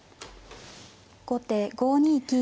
後手５二金。